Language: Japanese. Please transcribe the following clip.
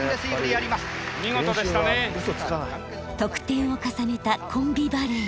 得点を重ねたコンビバレー。